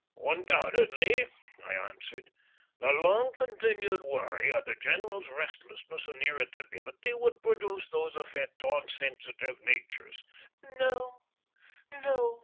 "Undoubtedly," I answered. "The long continued worry of the general's restlessness and irritability would produce those effects on sensitive natures." "No, no!"